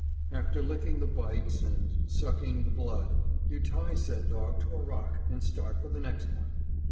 After licking the bites and sucking the blood, you tie said dog to a rock and start for the next one.